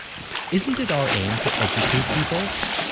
'Isn't it our aim to educate the people?